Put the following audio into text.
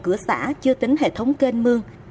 cửa sản chưa tính hệ thống kênh mương